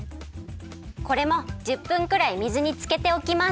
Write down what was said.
これも１０分くらい水につけておきます。